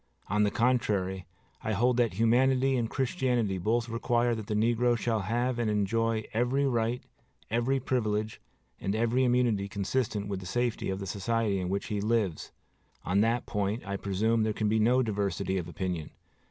On the contrary, I hold that humanity and Christianity both require that the negro shall have and enjoy every right, every privilege, and every immunity consistent with the safety of the society in which he lives. On that point, I presume, there can be no diversity of opinion.